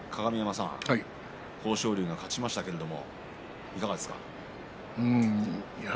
豊昇龍が勝ちましたが鏡山さんいかがですか？